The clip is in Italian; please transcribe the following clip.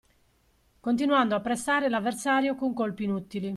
Continuando a pressare l'avversario con colpi inutili.